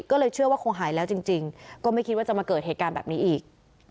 ก็เลยเชื่อว่าคงหายแล้วจริงก็ไม่คิดว่าจะมาเกิดเหตุการณ์แบบนี้อีก